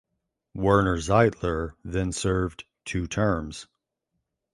Werner Zeitler then served two terms.